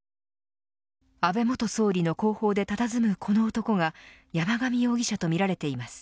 安倍元総理の後方でたたずむこの男が山上容疑者とみられています。